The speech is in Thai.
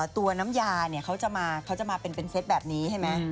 ตัวน้ำยาเขาจะมาเป็นเซตแบบนี้ใช่ไหม